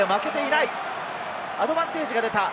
アドバンテージが出た。